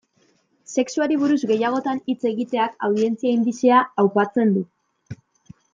Sexuari buruz gehiagotan hitz egiteak, audientzia indizea aupatzen du.